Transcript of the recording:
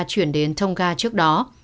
chuyển đến tôn nga trước đó